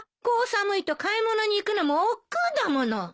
こう寒いと買い物に行くのもおっくうだもの。